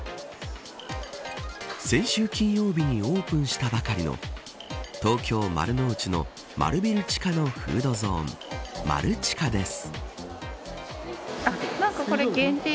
先週金曜日にオープンしたばかりの東京、丸の内の丸ビル地下のフードゾーンマルチカです。